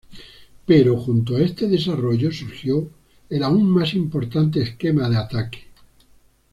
Pero junto a este desarrollo surgió el aún más importante esquema de ataque.